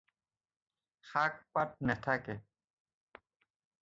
শাক-পাত নেথাকে।